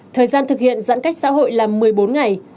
thời gian thực hiện giãn cách xã hội là một mươi bốn ngày